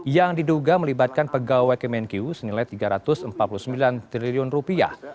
yang diduga melibatkan pegawai kemenku senilai tiga ratus empat puluh sembilan triliun rupiah